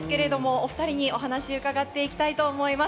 お２人に話を伺っていきたいと思います。